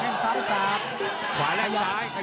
ต้องเลิกกับหรอกไคล่แล้วสายสาบ